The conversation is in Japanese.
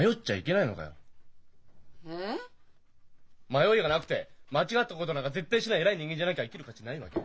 迷いがなくて間違ったことなんか絶対しない偉い人間じゃなきゃ生きる価値ないわけ？